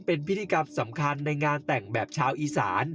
เป็นพิธีกรรมสำคัญในงานแต่งแบบชาวอีสาน